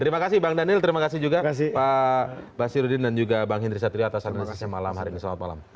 terima kasih bang daniel terima kasih juga pak basi rudin dan juga bang hindri satria atas hadirnya malam hari ini